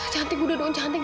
cantik budo dong cantik